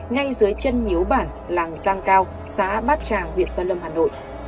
ngay dưới chân miếu bản làng giang cao xã bát tràng huyện gia lâm hà nội